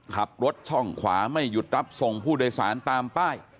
ขับรถช่องขวาไม่หยุดรับส่งผู้โดยสารตามป้าย